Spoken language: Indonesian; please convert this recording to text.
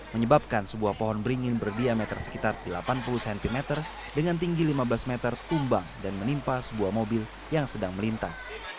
menyebabkan sebuah pohon beringin berdiameter sekitar delapan puluh cm dengan tinggi lima belas meter tumbang dan menimpa sebuah mobil yang sedang melintas